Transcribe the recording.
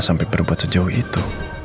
sampai berbuat sejauh itu